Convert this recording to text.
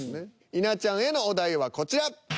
稲ちゃんへのお題はこちら。